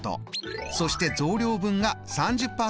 そして増量分が３０％。